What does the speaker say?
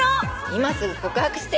「今すぐ告白して！」